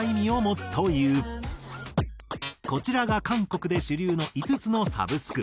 こちらが韓国で主流の５つのサブスク。